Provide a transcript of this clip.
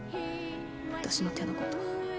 私の手のこと。